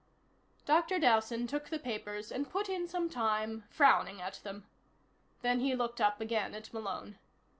Dr. Dowson took the papers and put in some time frowning at them. Then he looked up again at Malone.